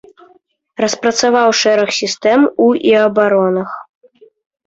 Распрацаваў шэраг сістэм у і абаронах.